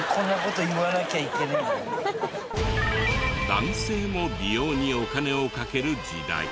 男性も美容にお金をかける時代。